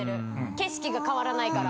景色が変わらないから。